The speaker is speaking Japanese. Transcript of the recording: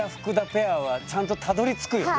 ペアはちゃんとたどりつくよね。